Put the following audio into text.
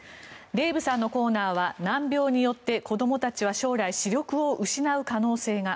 デーブさんのコーナーは難病によって子どもたちは将来視力を失う可能性が。